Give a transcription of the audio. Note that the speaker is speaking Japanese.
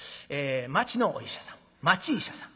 町のお医者さん町医者さん。